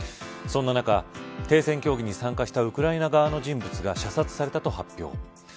そんな中、停戦協議に参加したウクライナ側の人物が射殺されたと発表。